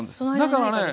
だからね